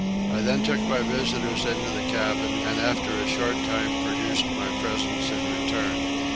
I then took my visitors into the cabin and after a short time produced my presents in return.